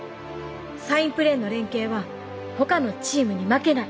サインプレーの連携は他のチームに負けない！